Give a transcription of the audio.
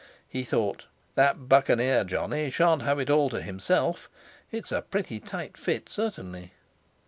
He thought: "That Buccaneer Johnny shan't have it all to himself! It's a pretty tight fit, certainly!"